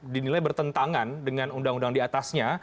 dinilai bertentangan dengan undang undang diatasnya